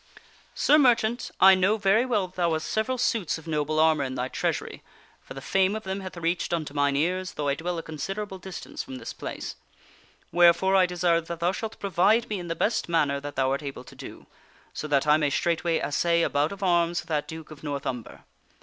94 THE WINNING OF A QUEEN " Sir Merchant, I know very well that thou hast several suits of noble ar mor in thy treasury, for the fame of them hath reached unto mine ears though I dwell a considerable distance from this place. Wherefore I de sire that thou shalt provide me in the best manner that thou art able to do, so that I may straightway assay a bout of arms with that Duke of North Umber.